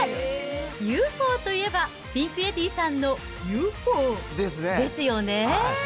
ＵＦＯといえば、ピンク・レディーさんのＵＦＯですよね。